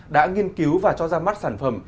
đã nghiên cứu và cho ra mắt sản phẩm